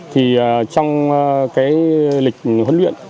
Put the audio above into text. thì trong cái lịch huấn luyện